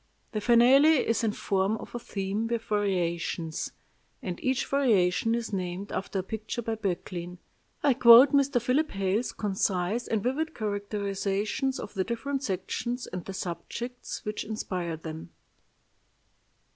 The Finale is in form a theme with variations, and each variation is named after a picture by Böcklin. I quote Mr. Philip Hale's concise and vivid characterizations of the different sections and the subjects which inspired them: "I.